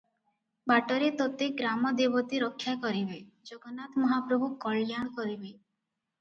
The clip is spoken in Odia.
ବାଟରେ ତୋତେ ଗ୍ରାମଦେବତୀ ରକ୍ଷା କରିବେ, ଜଗନ୍ନାଥ ମହାପ୍ରଭୁ କଲ୍ୟାଣ କରିବେ ।